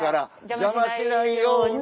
邪魔しないように１人で。